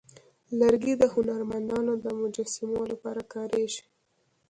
لرګی د هنرمندانو د مجسمو لپاره کارېږي.